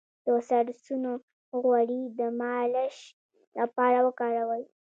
د سرسونو غوړي د مالش لپاره وکاروئ